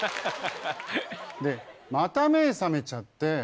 でまた目覚めちゃって。